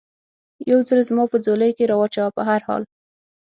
یو ځل زما په ځولۍ کې را و چوه، په هر حال.